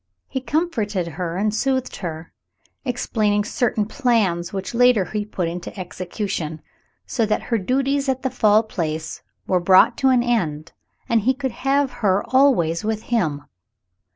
He comforted her and soothed her, explaining certain plans which later he put into execution, so that her duties at the Fall Place were brought to an end and he could have her always with him.